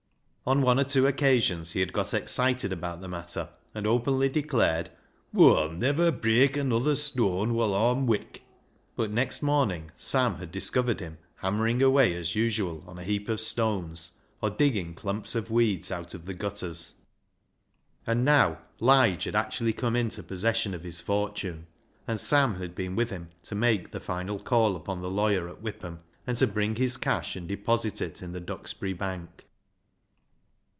On one or two occasions he had got excited about the matter, and had openly declared, *' Av/'ll niver breik another stooan woll Aw'm wik." But next morning Sam had discovered him hammering away as usual on a heap of stones, or digging clumps of weeds out of the gutters. And now Lige had actually come into pos LIGE'S LEGACY 167 session of his fortune, and Sam had been with him to make the final call upon the lawyer at Whipham, and to bring his cash and deposit it in the Duxbury Bank.